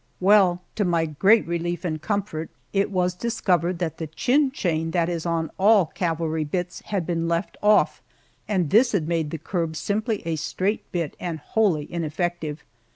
Well, to my great relief and comfort, it was discovered that the chin chain that is on all cavalry bits had been left off, and this had made the curb simply a straight bit and wholly ineffective.